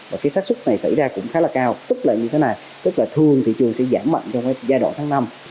và cái sát xuất này xảy ra cũng khá là cao tức là như thế này tức là thường thị trường sẽ giảm mạnh trong cái giai đoạn tháng năm